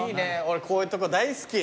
俺こういうとこ大好き。